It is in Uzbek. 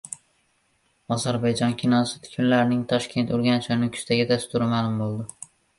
Ozarbayjon kinosi kunlarining Toshkent, Urganch va Nukusdagi dasturi ma’lum bo‘ldi